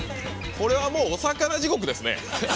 これは、もう「おさかな地獄」ですね。